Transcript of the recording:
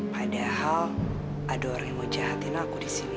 padahal ada orang yang mau jahatin aku di sini